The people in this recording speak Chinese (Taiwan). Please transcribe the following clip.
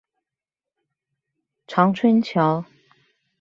長春橋